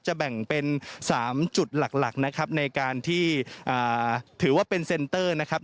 แบ่งเป็น๓จุดหลักนะครับในการที่ถือว่าเป็นเซ็นเตอร์นะครับ